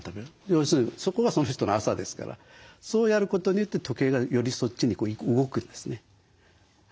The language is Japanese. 要するにそこがその人の朝ですからそうやることによって時計がよりそっちに動くんですね。